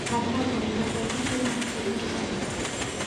متل دی: له پردي زوی نه خپله لور ښه ده.